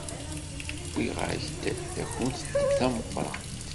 Wwiɣ-ak-d takunt-d tameqrant.